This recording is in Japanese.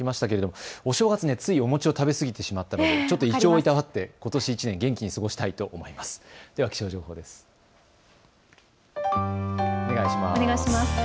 お正月ついお餅を食べ過ぎてしまったので胃腸をいたわってことし元気に過ごしたいと思います。